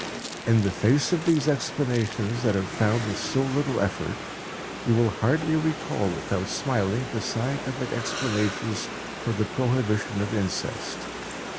In the face of these explanations that are found with so little effort, you will hardly recall without smiling the scientific explanations for the prohibition of incest.